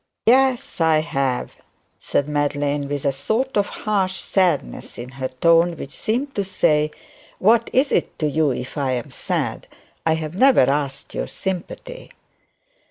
'Yes, I have,' said Madeline, with a sort of harsh sadness in her tone, which seemed to say What is it to you if I am sad? I have never asked your sympathy.